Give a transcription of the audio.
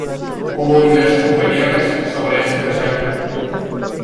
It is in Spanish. Hubo diversas opiniones sobre este ensayo.